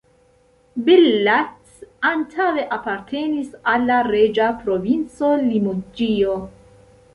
Bellac antaŭe apartenis al la reĝa provinco Limoĝio.